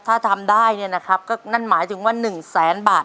ถ้าทำได้เนี่ยนะครับก็นั่นหมายถึงว่า๑แสนบาท